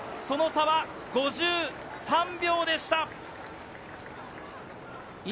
その差は５３秒でした。